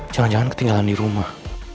jangan jangan ketinggalan di rumah